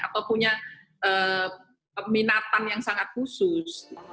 atau punya minatan yang sangat khusus